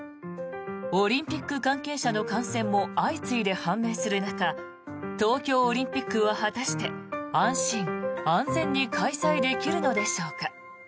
オリンピック関係者の感染も相次いで判明する中東京オリンピックは果たして安心安全に開催できるのでしょうか。